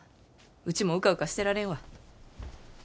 ウチもうかうかしてられんわ。